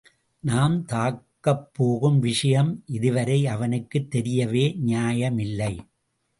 நாம் தாக்கப் போகும் விஷயம் இதுவரை அவனுக்குத் தெரியவே நியாயமில்லை.